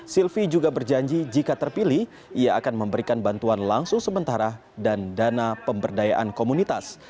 sylvi juga berjanji jika terpilih ia akan memberikan bantuan langsung sementara dan dana pemberdayaan komunitas